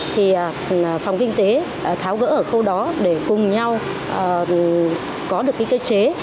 thì phòng kinh tế tháo gỡ ở khâu đó để cùng nhau có được cái cơ chế